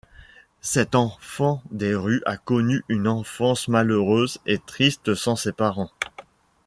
Cet enfant des rues a connu une enfance malheureuse et triste sans ses parents.